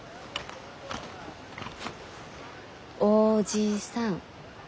おじさん。